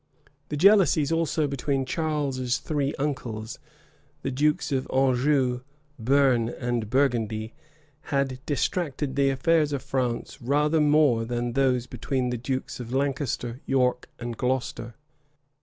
The jealousies also between Charles's three uncles, the dukes of Anjou, Bern, and Burgundy, had distracted the affairs of France rather more than those between the dukes of Lancaster, York, and Gloucester.